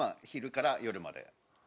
昼から夜まで。